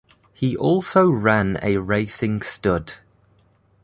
He also ran a racing stud.